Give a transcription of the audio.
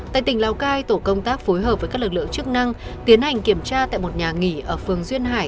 tại tỉnh lào cai tổ công tác phối hợp với các lực lượng chức năng tiến hành kiểm tra tại một nhà nghỉ ở phường duyên hải